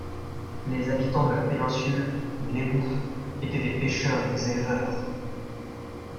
Les habitants de la péninsule, les Lébous, étaient des pêcheurs et des éleveurs.